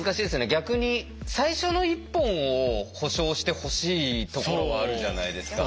逆に最初の１本を保障してほしいところはあるじゃないですか。